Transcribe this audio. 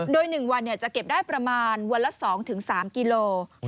โดย๑วันจะเก็บได้ประมาณวันละ๒๓กิโล